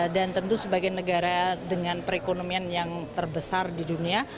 dan tentu sebagai negara dengan perekonomian yang terbesar di dunia